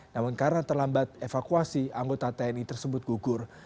namun karena terlambat evakuasi anggota tni tersebut gugur